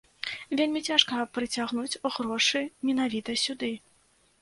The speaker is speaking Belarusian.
Вельмі цяжка прыцягнуць грошы менавіта сюды.